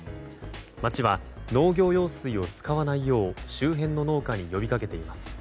町は農業用水を使わないよう周辺の農家に呼び掛けています。